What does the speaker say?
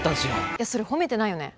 いやそれ褒めてないよね。